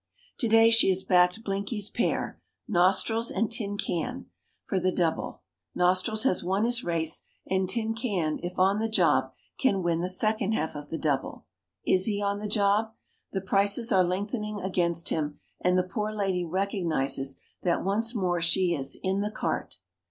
To day she has backed Blinky's pair, Nostrils and Tin Can, for the double. Nostrils has won his race, and Tin Can, if on the job, can win the second half of the double. Is he on the job? The prices are lengthening against him, and the poor lady recognises that once more she is "in the cart".